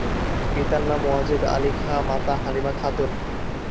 পিতার নাম ওয়াজেদ আলী খাঁ, মাতা হালিমা খাতুন।